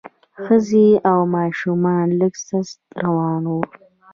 ښځې او ماشومان لږ سست روان وو.